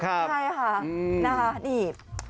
ใช่ค่ะนะคะนี่